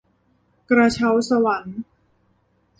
กระเช้าสวรรค์